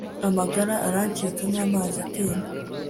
amagara arancika nk'amazi atemba